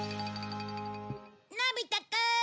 のび太くーん！